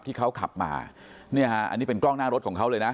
ที่เขาขับมาเนี่ยฮะอันนี้เป็นกล้องหน้ารถของเขาเลยนะ